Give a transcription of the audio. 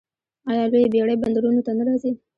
آیا لویې بیړۍ بندرونو ته نه راځي؟